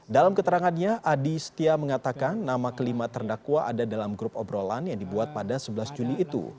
dalam keterangannya adi setia mengatakan nama kelima terdakwa ada dalam grup obrolan yang dibuat pada sebelas juni itu